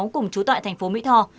cùng chú tại thành phố mỹ tho